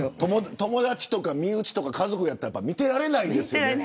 友達とか身内とかだったら見てられないですよね